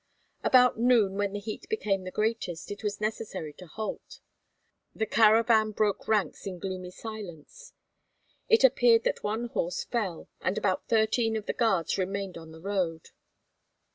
About noon, when the heat became the greatest, it was necessary to halt. The caravan broke ranks in gloomy silence. It appeared that one horse fell and about thirteen of the guards remained on the road.